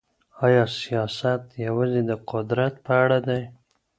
آیا سیاست یوازې د قدرت په اړه دی؟